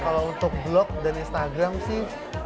kalau untuk blog dan instagram sih